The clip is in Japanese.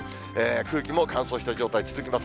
空気も乾燥した状態続きます。